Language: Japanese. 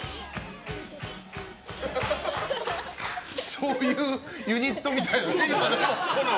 そういうユニットみたいな。